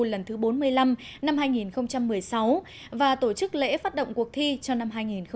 lần thứ bốn mươi năm năm hai nghìn một mươi sáu và tổ chức lễ phát động cuộc thi cho năm hai nghìn một mươi chín